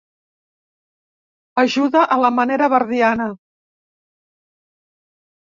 Ajuda a la manera verdiana.